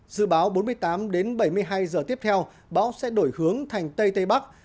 dự báo bốn mươi tám đến bảy mươi hai giờ tiếp theo bão sẽ đổi hướng thành tây tây bắc